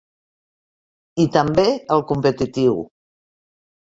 I també el competitiu.